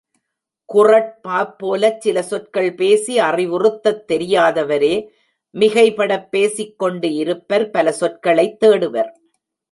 குறட்பாப் போலச் சில சொற்கள் பேசி அறிவுறுத்தத் தெரியாதவரே மிகைபடப் பேசிக்கொண்டு இருப்பர் பல சொற்களைத் தேடுவர்.